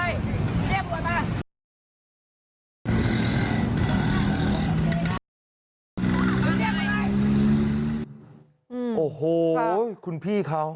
นี่คือเธอโอ้โหคุณพี่เขา